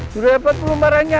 jurepot belum marahnya